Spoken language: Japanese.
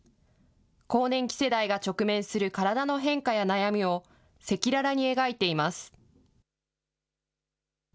更年期世代が直面する体の変化や悩みを赤裸々に描いています。